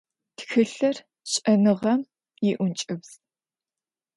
Тхылъыр - шӏэныгъэм иӏункӏыбз.